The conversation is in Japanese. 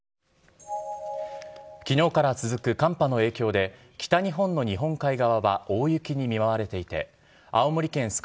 きのうから続く寒波の影響で、北日本の日本海側は大雪に見舞われていて、青森県酸ケ